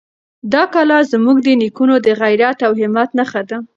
دا کلا زموږ د نېکونو د غیرت او همت نښه ده.